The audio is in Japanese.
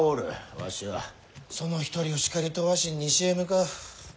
わしはその一人を叱り飛ばしに西へ向かう。